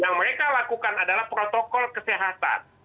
yang mereka lakukan adalah protokol kesehatan